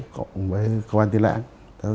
cộng với cơ quan tây nã